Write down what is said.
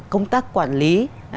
công tác quản lý